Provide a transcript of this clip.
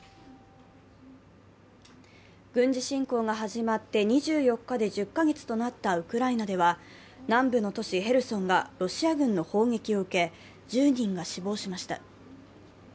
軍事侵攻が始まって２４日で１０か月となったウクライナでは、南部の都市ヘルソンがロシア軍の砲撃を受け１０人が死亡しました。